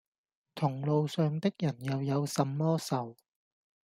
同路上的人又有什麼讎；